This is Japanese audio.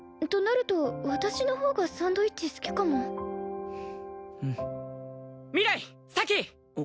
となると私の方がサンドイッチ好きかもうん明日咲！